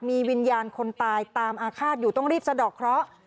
มีวิญญาณคนตายตามอาฆาตอยู่ต้องรีบสะดอกเคราะห์